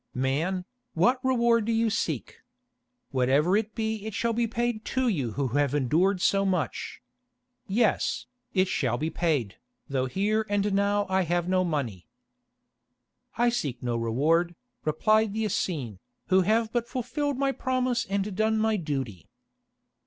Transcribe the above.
"Man, what reward do you seek? Whatever it be it shall be paid to you who have endured so much. Yes, it shall be paid, though here and now I have no money." "I seek no reward," replied the Essene, "who have but fulfilled my promise and done my duty."